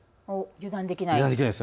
油断できないです。